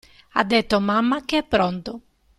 Ha detto mamma che è pronto